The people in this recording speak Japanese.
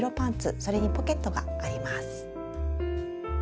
それにポケットがあります。